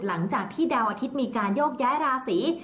หลังจากที่ดาวอาทิตย์มีการโยกย้ายราศี